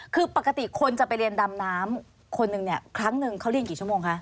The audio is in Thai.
คือปกติคนจะไปเรียนดำน้ำคนหนึ่งเนี่ยครั้งหนึ่งเขาเรียนกี่ชั่วโมงคะ